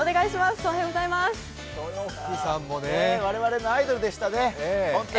我々のアイドルでしたね。